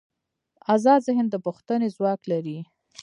ازاد ذهن د پوښتنې ځواک لري.